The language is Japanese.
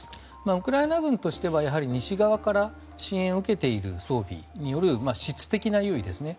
ウクライナ軍としてはやはり西側から支援を受けている装備による質的な優位ですね。